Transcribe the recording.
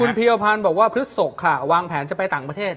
เพียวพันธ์บอกว่าพฤศกค่ะวางแผนจะไปต่างประเทศ